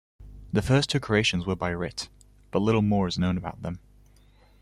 The first two creations were by writ, but little more is known about them.